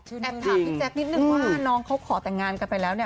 แอบถามพี่แจ๊คนิดนึงว่าน้องเขาขอแต่งงานกันไปแล้วเนี่ย